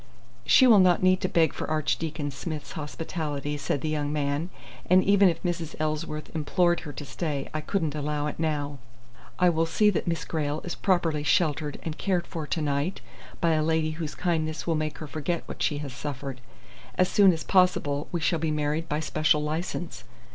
"She will not need to beg for Archdeacon Smith's hospitality," said the young man. "And even if Mrs. Ellsworth implored her to stay, I couldn't allow it now. I will see that Miss Grayle is properly sheltered and cared for to night by a lady whose kindness will make her forget what she has suffered. As soon as possible we shall be married by special licence.